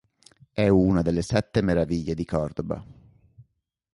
È una delle Sette Meraviglie di Córdoba